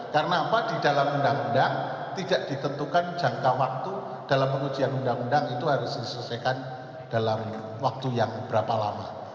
karena apa di dalam undang undang tidak ditentukan jangka waktu dalam pengujian undang undang itu harus diselesaikan dalam waktu yang berapa lama